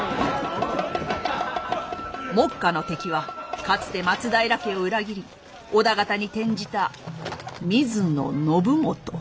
目下の敵はかつて松平家を裏切り織田方に転じた水野信元。